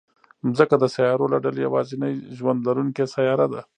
مځکه د سیارو له ډلې یوازینۍ ژوند لرونکې سیاره ده.